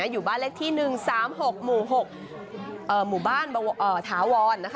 อยู่บ้านเลขที่๑๓๖หมู่๖หมู่บ้านถาวร